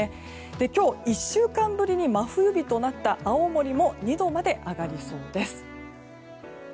今日、１週間ぶりに真冬日となった青森も２度まで上がりそうです。